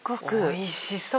おいしそう！